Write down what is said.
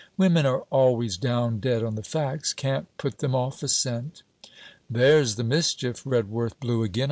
Women are always down dead on the facts; can't put them off a scent!' 'There's the mischief!' Redworth blew again.